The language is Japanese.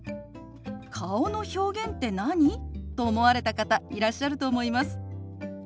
「顔の表現って何？」と思われた方いらっしゃると思います。